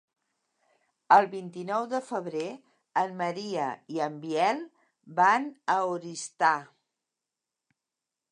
El vint-i-nou de febrer en Maria i en Biel van a Oristà.